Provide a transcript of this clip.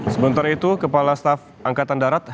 sebentar itu kepala staff angkatan darat